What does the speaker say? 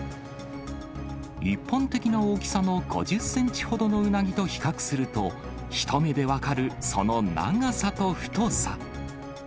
一般的な大きさの５０センチほどのウナギと比較すると、一目で分かるその長さと太さ。